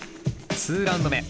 ２ラウンド目。